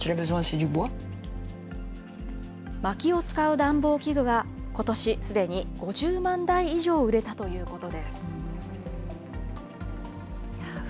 まきを使う暖房器具は、ことし、すでに５０万台以上売れたということです。